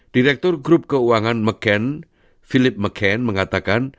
direktur grup keuangan mcken philip mcken mengatakan